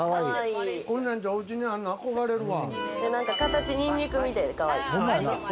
こんなんおうちにあるの憧れるわ。